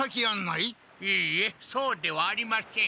いいえそうではありません。